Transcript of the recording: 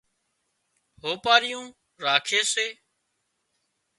هوپارِيُون راکي سي